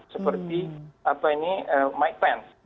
seperti mike pence